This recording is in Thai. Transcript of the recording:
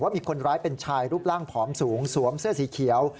มีคนร้ายเป็นชายรูปร่างผอมสูงสวมเสื้อสีเขียว